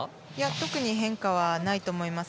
特に変化はないと思います。